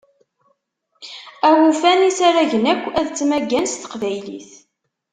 Awufan isaragen akk ad ttmaggan s teqbaylit.